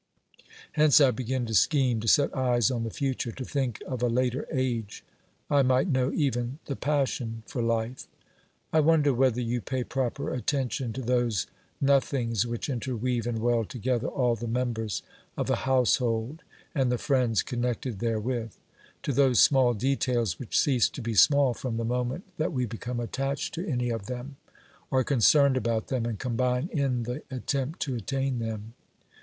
Hence I begin to scheme, to set eyes on the future, to think of a later age : I might know even the passion'for life ! I wonder whether you pay proper attention to those nothings which interweave and weld together all the members of a household and the friends connected there with ; to those small details which cease to be small from the moment that we become attached to any of them, are concerned about them and combine in the attempt to attain them.